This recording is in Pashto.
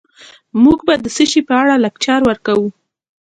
موږ به د څه شي په اړه لکچر ورکوو